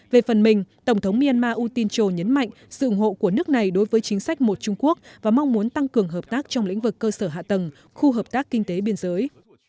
về phần mình tổng thống myanmar utin trồ nhấn mạnh sự ủng hộ của nước này đối với chính sách một trung quốc và mong muốn tăng cường hợp tác trong lĩnh vực cơ sở hạ tầng khu hợp tác kinh tế biên giới